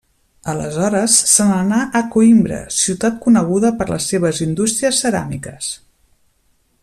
Aleshores se n'anà a Coïmbra, ciutat coneguda per les seves indústries ceràmiques.